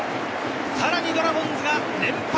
さらにドラゴンズが連敗